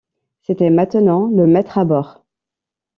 C’était maintenant le maître à bord.